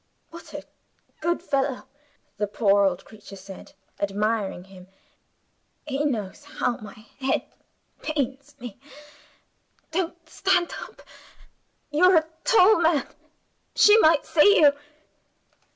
"What a good fellow!" the poor old creature said, admiring him; "he knows how my head pains me. Don't stand up! You're a tall man. She might see you."